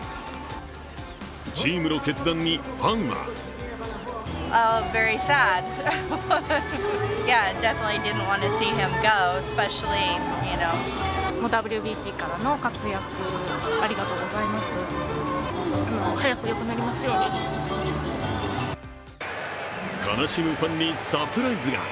チームの決断にファンは悲しむファンにサプライズが。